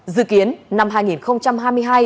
dự kiến năm hai nghìn hai mươi hai